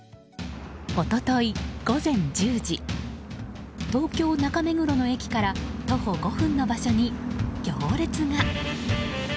一昨日午前１０時東京・中目黒の駅から徒歩５分の場所に行列が。